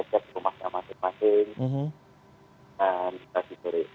dan kita diperik